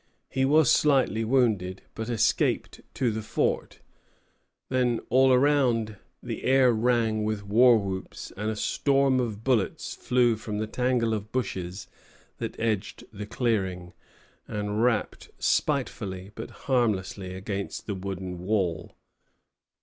He was slightly wounded, but escaped to the fort. Then, all around, the air rang with war whoops, and a storm of bullets flew from the tangle of bushes that edged the clearing, and rapped spitefully, but harmlessly, against the wooden wall.